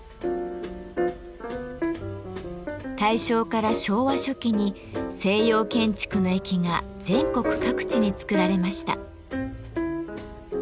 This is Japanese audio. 大正から昭和初期に西洋建築の駅が全国各地に造られました。